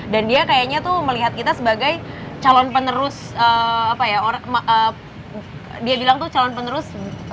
dan dia kayaknya tuh melihat kita sebagai calon penerus apa ya dia bilang tuh calon penerus